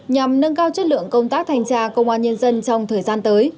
nhằm nâng cao chất lượng công tác thanh tra công an nhân dân trong thời gian tới